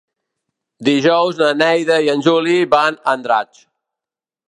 Dijous na Neida i en Juli van a Andratx.